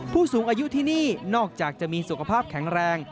ผู้สูงอายุที่นี่นอกจากจะมีสุขภาพแข็งแรง